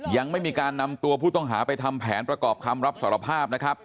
ยังไม่มีการนำตัวผู้ต้องหาไปทำแผนประกอบคำรับสารภาพนะครับ